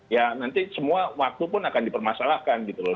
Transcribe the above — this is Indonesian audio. ya nanti semua waktu pun akan dipermasalahkan gitu loh